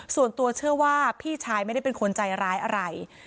ส่วนตัวเชื่อว่าพี่ชายไม่ได้เป็นคนใจร้ายอะไร